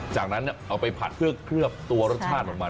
จากนั้นเอาไปผัดเพื่อเคลือบตัวรสชาติออกมา